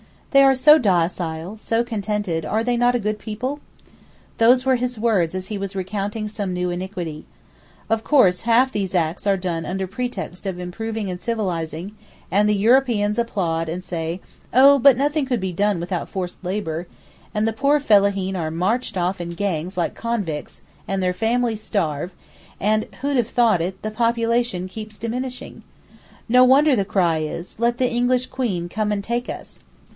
They are so docile, so contented; are they not a good people?' Those were his words as he was recounting some new iniquity. Of course half these acts are done under pretext of improving and civilizing, and the Europeans applaud and say, 'Oh, but nothing could be done without forced labour,' and the poor Fellaheen are marched off in gangs like convicts, and their families starve, and (who'd have thought it) the population keeps diminishing. No wonder the cry is, 'Let the English Queen come and take us.